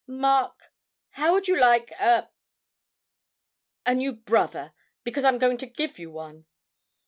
Mark how would you like a a new brother, because I'm going to give you one?'